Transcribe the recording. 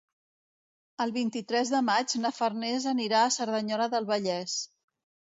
El vint-i-tres de maig na Farners anirà a Cerdanyola del Vallès.